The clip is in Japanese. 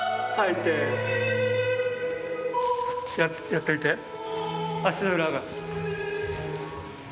やってみて足の裏が。